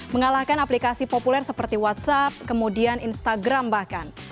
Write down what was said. mengalahkan aplikasi populer seperti whatsapp kemudian instagram bahkan